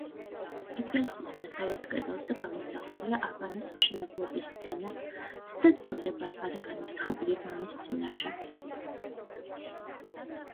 ეკლესიის დასავლეთ კედელზე გამოსახულია აბანოს მშენებლობის სცენა სადაც წმინდა ბარბარე განრისხებული მამის წინაშე.